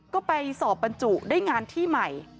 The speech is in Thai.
ก็ไปสอบบรรจุได้งานที่ใหม่